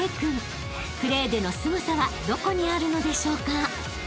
［プレーでのすごさはどこにあるのでしょうか？］